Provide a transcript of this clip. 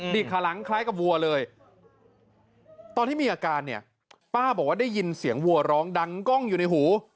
ขาหลังคล้ายกับวัวเลยตอนที่มีอาการเนี่ยป้าบอกว่าได้ยินเสียงวัวร้องดังกล้องอยู่ในหู